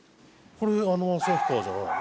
これあの旭川じゃないの？